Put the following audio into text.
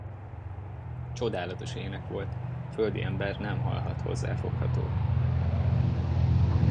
Csodálatos ének volt, földi ember nem hallhat hozzá foghatót.